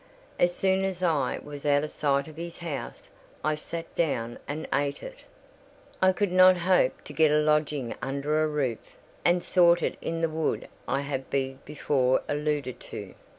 As soon as I was out of sight of his house, I sat down and ate it. I could not hope to get a lodging under a roof, and sought it in the wood I have before alluded to.